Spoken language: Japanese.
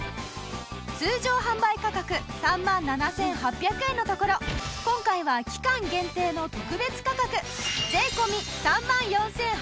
通常販売価格３万７８００円のところ今回は期間限定の特別価格税込３万４８００円！